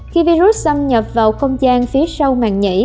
khi virus xâm nhập vào không gian phía sau màng nhảy